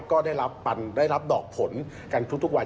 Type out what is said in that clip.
ก็ได้รับปันได้รับดอกผลกันทุกวัน